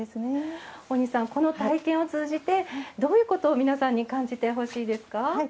大西さん、この体験を通じてどういうことを皆さんに感じてほしいですか？